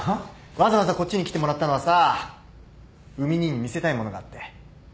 わざわざこっちに来てもらったのはさ海兄に見せたいものがあって。